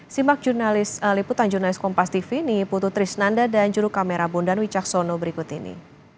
simak liputan jurnalis kompas tv ini putu trisnanda dan juru kamera bundan wicaksono berikut ini